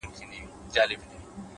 نظم د لویو لاسته راوړنو بنسټ دی،